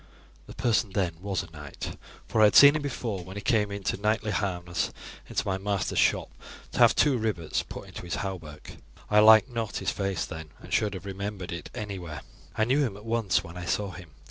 "The person then was a knight, for I had seen him before when he came in knightly harness into my master's shop to have two rivets put into his hauberk. I liked not his face then, and should have remembered it anywhere. I knew him at once when I saw him.